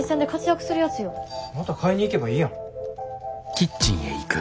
また買いに行けばいいやん。